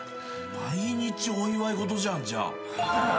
毎日お祝い事じゃんじゃあ。